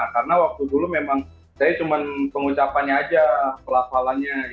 karena waktu dulu memang saya cuma pengucapannya saja pelakwalannya